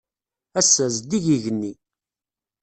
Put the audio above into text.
Ass-a, zeddig yigenni.